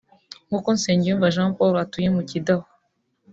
nkuko Nsengiyumva Jean Paul utuye mu Kidaho